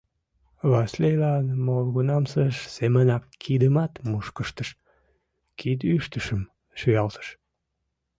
Васлийлан молгунамсыж семынак кидымат мушкыктыш, кидӱштышым шуялтыш.